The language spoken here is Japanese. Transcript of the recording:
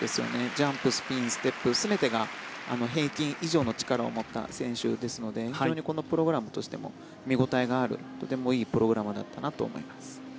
ジャンプ、スピン、ステップ全てが平均以上の力を持った選手ですので非常にこのプログラムとしても見応えがあるとてもいいプログラムだったなと思います。